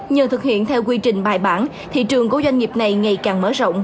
nhờ thực hiện theo quy trình bài bản thị trường của doanh nghiệp này ngày càng mở rộng